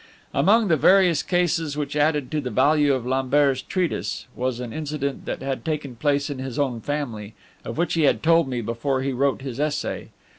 Among the various cases which added to the value of Lambert's Treatise was an incident that had taken place in his own family, of which he had told me before he wrote his essay.